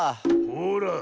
ほら。